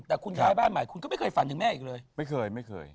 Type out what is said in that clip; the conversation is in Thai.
แต่คุณย้ายบ้านใหม่คุณก็ไม่เคยฝันถึงแม่อีกเลยไม่เคยไม่เคย